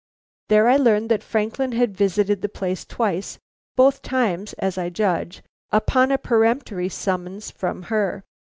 There I learned that Franklin had visited the place twice; both times, as I judge, upon a peremptory summons from her.